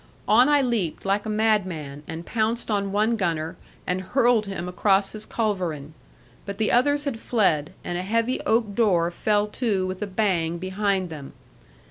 On I leaped, like a madman, and pounced on one gunner, and hurled him across his culverin; but the others had fled, and a heavy oak door fell to with a bang, behind them.